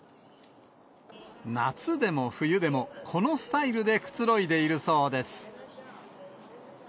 夏でも冬でもこのスタイルでくつろいでいるそうです。